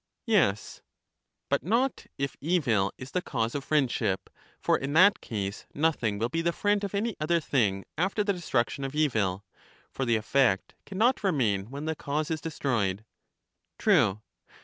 Yes. But not, if evil is the cause of friendship: for in that case nothing will be the friend of any other thing after the destruction of evil; for the effect can not remain when the cause is destroyed. True.